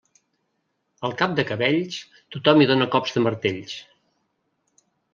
Al cap de cabells tothom hi dóna cops de martells.